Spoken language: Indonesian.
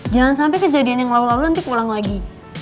jangan sampai kejadian yang lalu lalu nanti pulang lagi